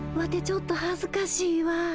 ちょっとはずかしいわ。